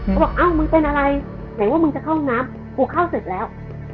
เขาบอกอ้าวมึงเป็นอะไรไหนว่ามึงจะเข้าห้องน้ำกูเข้าเสร็จแล้ว